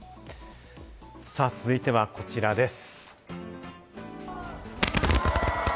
続いてはこちらです。